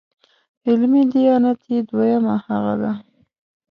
علمي دیانت یې دویمه هغه ده.